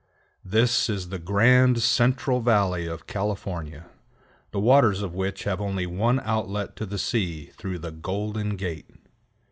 This is the grand Central Valley of California, the waters of which have only one outlet to the sea through the Golden Gate.